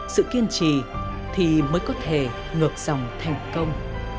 sự kiên trì thì mới có thể ngược dòng thành công